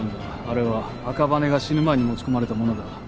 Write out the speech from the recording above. あれは赤羽が死ぬ前に持ち込まれたものだ。